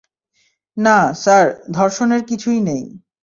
না, স্যার, ধর্ষণের কিছুই নেই।